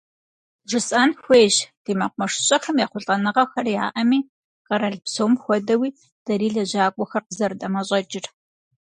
Жысӏэн хуейщ, ди мэкъумэшыщӏэхэм ехъулӏэныгъэхэр яӏэми, къэрал псом хуэдэуи, дэри лэжьакӏуэхэр къызэрыдэмэщӏэкӏыр.